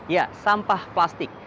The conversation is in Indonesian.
ya sampah plastik